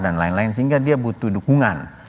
dan lain lain sehingga dia butuh dukungan